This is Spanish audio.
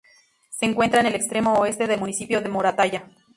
Se encuentra en el extremo oeste del municipio de Moratalla.